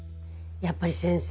やっぱり先生